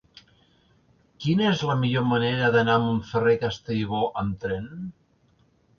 Quina és la millor manera d'anar a Montferrer i Castellbò amb tren?